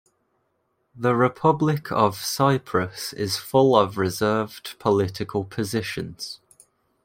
The Republic of Cyprus is full of reserved political positions.